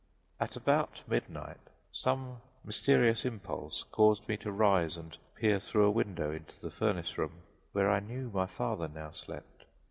At about midnight some mysterious impulse caused me to rise and peer through a window into the furnace room, where I knew my father now slept.